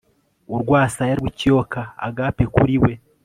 Urwasaya rwikiyoka agape kuri we